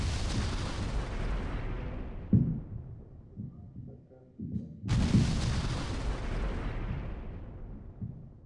Cochrane sugirió atacar Baltimore, Washington y Filadelfia.